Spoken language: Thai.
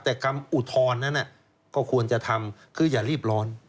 แต่คำอุทธรณ์นั้นก็ควรจะทำคืออย่ารีบร้อน